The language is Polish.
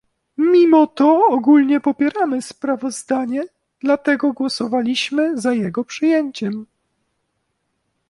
Mimo to ogólnie popieramy sprawozdanie, dlatego głosowaliśmy za jego przyjęciem